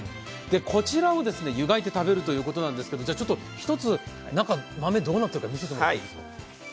こちらを湯がいて食べるということですが１つ中の豆、どうなっているか見せてもらっていいですか？